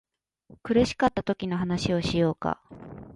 苦しかったときの話をしようか